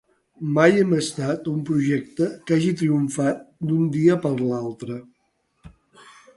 Mai hem estat un projecte que hagi triomfat d’un dia per l’altre.